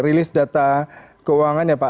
rilis data keuangan ya pak